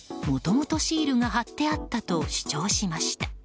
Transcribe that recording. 元々シールが貼ってあったと主張しました。